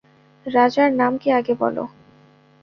রাজার নাম কী আগে বলো।